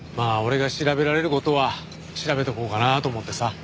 あ俺が調べられる事は調べとこうかなと思ってさ。